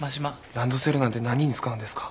ランドセルなんて何に使うんですか？